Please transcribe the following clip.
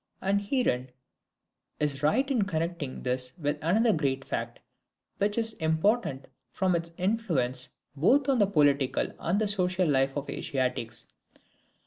And Heeren is right in connecting this with another great fact, which is important from its influence both on the political and the social life of Asiatics.